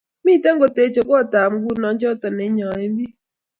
Miten koteche kootab nguno choto neinyoi biik